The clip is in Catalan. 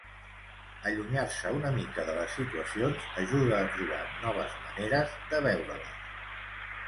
Allunyar-se una mica de les situacions ajuda a trobar noves maneres de veure-les.